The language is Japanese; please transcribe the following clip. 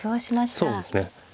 そうですね。